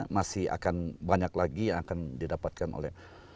masih akan banyak lagi yang akan didapatkan oleh